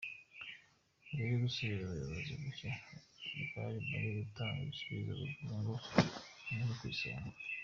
Mbere yo gusubiza, ubuyobozi bushya bwari buri gutanga igisubizo buvuga ngo ‘Amerika ku isonga’.